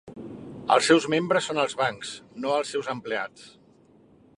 Els seus membres són els bancs, no els seus empleats.